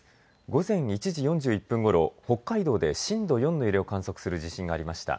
午前１時４１分ごろ北海道で震度４の揺れを観測する地震がありました。